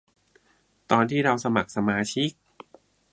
ตอนที่เราสมัครสมาชิก